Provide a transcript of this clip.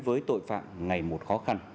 với tội phạm ngày một khó khăn